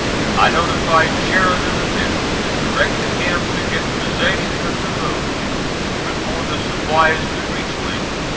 I notified Sheridan of this and directed him to get possession of the road before the supplies could reach Lee.